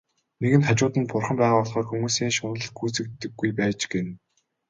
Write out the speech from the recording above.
Нэгэнт хажууд нь Бурхан байгаа болохоор хүмүүсийн шунал гүйцэгддэггүй байж гэнэ.